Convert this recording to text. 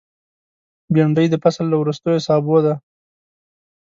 بېنډۍ د فصل له وروستیو سابو ده